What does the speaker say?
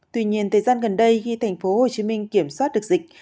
tuy nhiên thời gian gần đây khi tp hcm kiểm soát được dịch